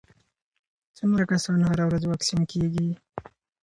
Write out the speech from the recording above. څومره کسان هره ورځ واکسین کېږي؟